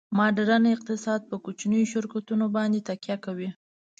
ماډرن اقتصاد په کوچنیو شرکتونو باندې تکیه کوي